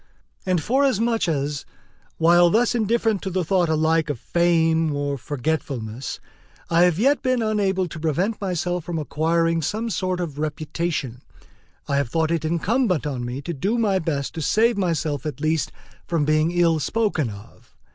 And forasmuch as, while thus indifferent to the thought alike of fame or of forgetfulness, I have yet been unable to prevent myself from acquiring some sort of reputation, I have thought it incumbent on me to do my best to save myself at least from being ill spoken of.